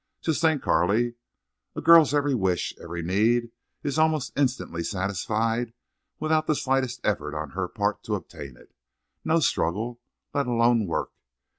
Just think, Carley. A girl's every wish, every need, is almost instantly satisfied without the slightest effort on her part to obtain it. No struggle, let alone work!